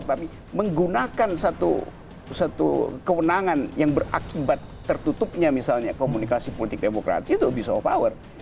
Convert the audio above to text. tapi menggunakan satu kewenangan yang berakibat tertutupnya misalnya komunikasi politik demokratis itu abuse of power